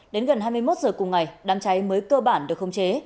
đến gần hai mươi một h cùng ngày đám cháy mới cơ bản được không chế